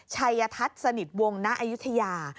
ชัยธัศนิษฐ์สนิทวงศ์ณอายุทยา